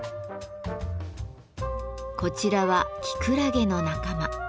こちらはキクラゲの仲間。